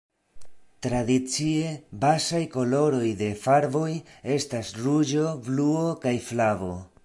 Tradicie, bazaj koloroj de farboj estas ruĝo, bluo kaj flavo.